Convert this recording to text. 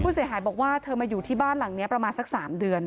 เสียหายบอกว่าเธอมาอยู่ที่บ้านหลังนี้ประมาณสัก๓เดือน